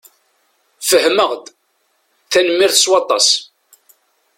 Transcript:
Fehmeɣ-d. Tanemmirt s waṭas.